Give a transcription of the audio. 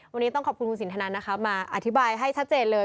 วันนี้ต้องขอบคุณคุณสินทนันนะคะมาอธิบายให้ชัดเจนเลย